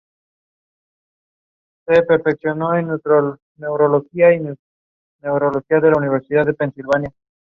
Mackintosh, Victor Hayward y Arnold Spencer-Smith habían muerto.